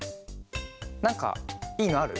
なんかいいのある？